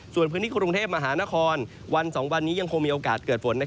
ส่วนพื้นที่กรุงเทพมหานครวัน๒วันนี้ยังคงมีโอกาสเกิดฝน